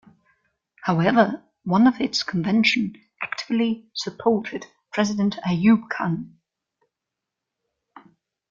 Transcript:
However, one of its convention actively supported President Ayub Khan.